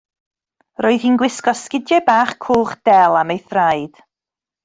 Roedd hi'n gwisgo sgidiau bach coch del am ei thraed.